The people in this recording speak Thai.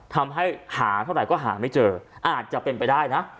ทำให้หาเท่าไหร่ก็หาไม่เจออาจจะเป็นไปได้นะ